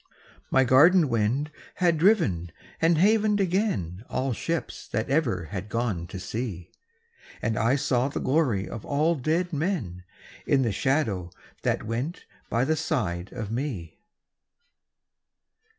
My garden wind had driven and havened again All ships that ever had gone to sea, And I saw the glory of all dead men In the shadow that went by the side of me.